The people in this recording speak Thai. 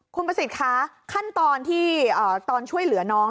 คุณประสิทธิ์คะขั้นตอนที่ตอนช่วยเหลือน้อง